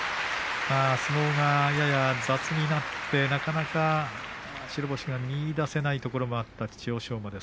相撲がやや雑になってなかなか白星が見いだせないところもあった千代翔馬です。